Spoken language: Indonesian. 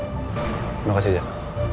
terima kasih zed